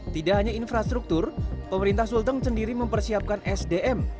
tidak hanya infrastruktur pemerintah sulteng sendiri mempersiapkan sdm